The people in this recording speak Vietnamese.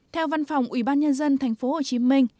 theo văn phòng ủy ban nhân dân thành phố hồ chí minh